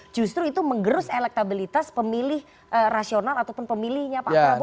justru itu menggerus elektabilitas pemilih rasional ataupun pemilihnya pak prabowo